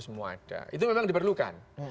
semua ada itu memang diperlukan